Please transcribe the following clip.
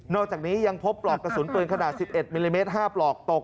อกจากนี้ยังพบปลอกกระสุนปืนขนาด๑๑มิลลิเมตร๕ปลอกตก